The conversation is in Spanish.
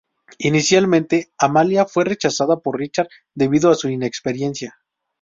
Inicialmente, Amalia fue rechazada por Richard debido a su inexperiencia.